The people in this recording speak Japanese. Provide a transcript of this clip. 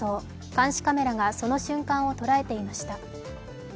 監視カメラがその瞬間を捉えていました。